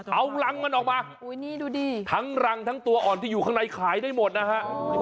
เอารังมันออกมาทั้งรังทั้งตัวอ่อนที่อยู่ข้างในขายได้หมดนะฮะ